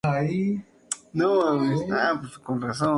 Quo vado?